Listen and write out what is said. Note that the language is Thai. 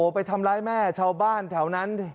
ไปทำร้ายแม่ชาวบ้านแถวนั้น